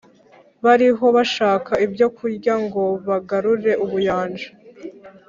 bariho bashaka ibyo kurya ngo bagarure ubuyanja.